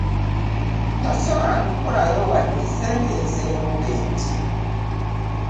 Tasobola kukolayo wadde ssentensi emu bw'eti.